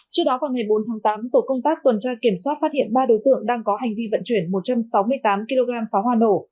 trước đó vào ngày bốn tháng tám tổ công tác tuần tra kiểm soát phát hiện ba đối tượng đang có hành vi vận chuyển một trăm sáu mươi tám kg pháo hoa nổ